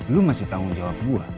lu masih tanggung jawab gue